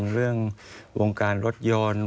เรื่องวงการรถยนต์